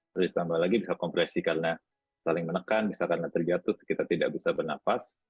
terus tambah lagi bisa kompresi karena saling menekan bisa karena terjatuh kita tidak bisa bernafas